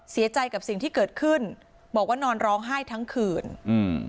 เสียใจกับสิ่งที่เกิดขึ้นบอกว่านอนร้องไห้ทั้งคืนอืม